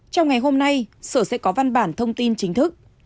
trong ngày hôm nay sở sẽ có văn bản thông tin chính thức